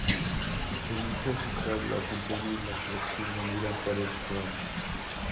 Su núcleo central lo compone la colección reunida por el Prof.